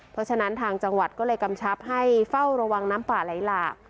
เพราะฉะนั้นทางจังหวัดก็เลยกำชับให้เฝ้าระวังน้ำป่าไหลหลาก